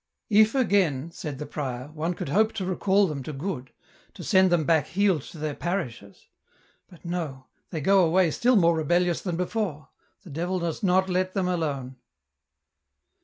" If, again," said the prior, " one could hope to recall them to good, to send them back healed to their parishes ; but no, they go away still more rebellious than before, the Devil does not let them alone."